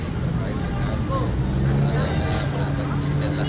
terkait dengan adanya berdekat insiden